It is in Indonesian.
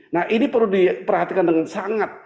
nah ini perlu diperhatikan dengan sangat